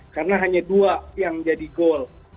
karena hanya dua yang jadi gol